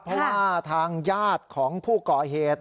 เพราะว่าทางยาดของผู้เกาะเหตุ